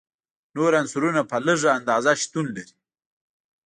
نور عنصرونه په لږه اندازه شتون لري.